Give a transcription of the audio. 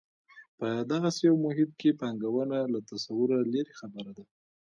په دغسې یو محیط کې پانګونه له تصوره لرې خبره ده.